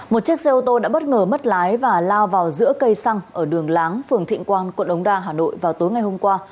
một chiếc xe ô tô đã bất ngờ mất lái và lao vào giữa cây xăng ở đường láng phường thịnh quang quận đống đa hà nội vào tối ngày hôm qua